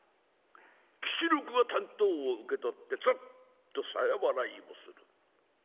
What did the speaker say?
吉六が短刀を受け取ってつっと鞘払いをする。